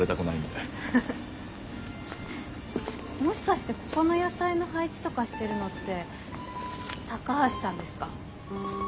もしかしてここの野菜の配置とかしてるのって高橋さんですか？